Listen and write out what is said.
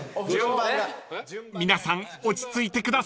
［皆さん落ち着いてください］